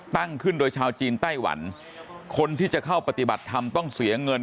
ตั้งขึ้นโดยชาวจีนไต้หวันคนที่จะเข้าปฏิบัติธรรมต้องเสียเงิน